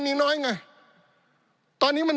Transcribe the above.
ปี๑เกณฑ์ทหารแสน๒